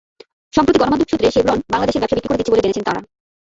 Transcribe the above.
সম্প্রতি গণমাধ্যম সূত্রে শেভরন বাংলাদেশের ব্যবসা বিক্রি করে দিচ্ছে বলে জেনেছেন তাঁরা।